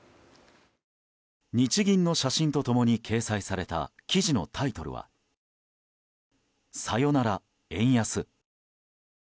日銀の写真と共に掲載された記事のタイトルはサヨナラ円安。